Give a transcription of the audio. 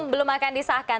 belum akan disahkan